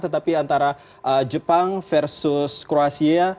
tetapi antara jepang versus kroasia